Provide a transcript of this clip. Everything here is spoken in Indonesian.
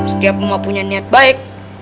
setiap rumah punya niat baik